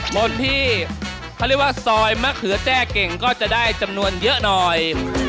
คนที่เขาเรียกว่าซอยมะเขือแจ้เก่งก็จะได้จำนวนเยอะหน่อย